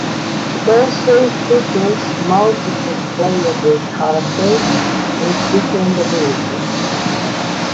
It also features multiple playable characters with different abilities.